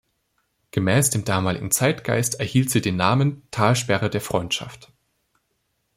Gemäß dem damaligen Zeitgeist erhielt sie den Namen „Talsperre der Freundschaft“.